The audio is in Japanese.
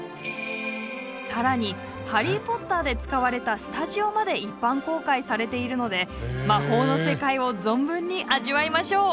更に「ハリー・ポッター」で使われたスタジオまで一般公開されているので魔法の世界を存分に味わいましょう！